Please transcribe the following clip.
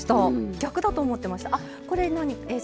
逆だと思いました。